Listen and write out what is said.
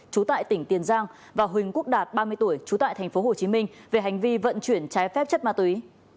trú tại tỉnh tiền giang và huỳnh quốc đạt ba mươi tuổi trú tại thành phố hồ chí minh về hành vi vận chuyển trái phép chất ma túy